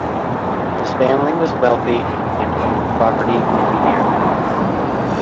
His family was wealthy, and owned property in the area.